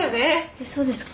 えっそうですか？